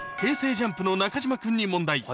ＪＵＭＰの中島君に問題